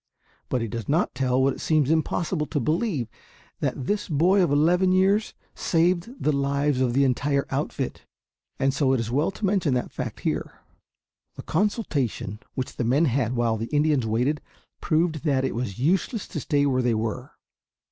But he does not tell what it seems impossible to believe that this boy of eleven years saved the lives of the entire outfit; and so it is well to mention the fact here. The consultation which the men had while the Indians waited proved that it was useless to stay where they were.